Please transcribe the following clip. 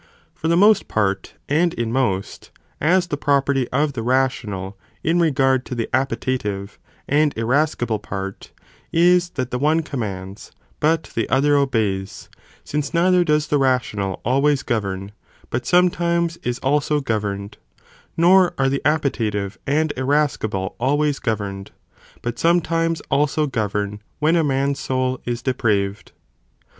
For the most part and in most, as the property of the rational in regard to the appetitive and irascible part, 1s that the one commands, but the other obeys, since neither does the rational always govern, but sometimes is also governed, nor are the appetitive and irascible always governed, but sometimes also govern when ἃ man's soul is depraved.